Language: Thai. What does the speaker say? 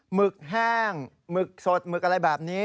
หึกแห้งหมึกสดหมึกอะไรแบบนี้